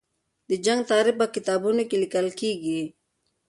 د جنګ تاریخ به په کتابونو کې لیکل کېږي.